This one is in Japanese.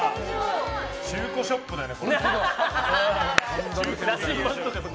中古ショップだよね。